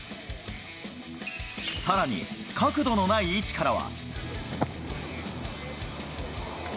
さらに、角度のない位置からは。